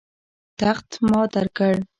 تخت ما درکړ.